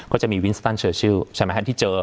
ก็จะมีวินสตันเชอร์ชิลใช่ไหมฮะที่เจอ